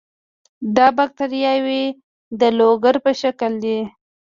دا باکتریاوې د لرګو په شکل دي.